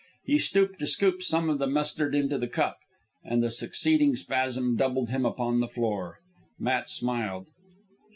He stooped to scoop some of the mustard into the cup, and the succeeding spasm doubled him upon the floor. Matt smiled.